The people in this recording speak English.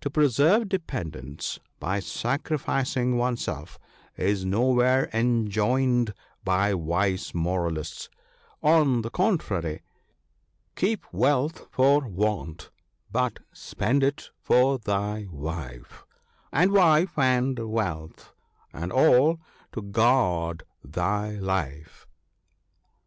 To preserve dependants by sacrificing oneself is nowhere enjoined by wise moralists ; on the contrary, —" Keep wealth for want, but spend it for thy wife, And wife, and wealth, and all to guard thy life."